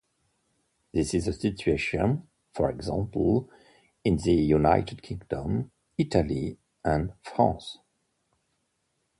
This is the situation, for example, in the United Kingdom, Italy and France.